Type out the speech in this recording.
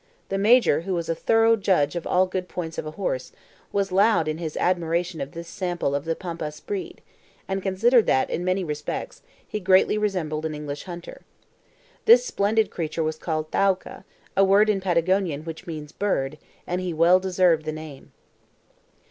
The Major, who was a thorough judge of all the good points of a horse, was loud in admiration of this sample of the Pampas breed, and considered that, in many respects, he greatly resembled an English hunter. This splendid creature was called "Thaouka," a word in Patagonia which means bird, and he well deserved the name.